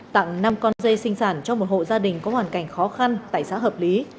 tặng năm con dây sinh sản cho một hộ gia đình có hoàn cảnh khó khăn tại xã hợp lý